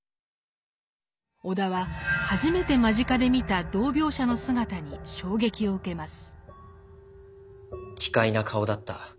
尾田は初めて間近で見た同病者の姿に衝撃を受けます。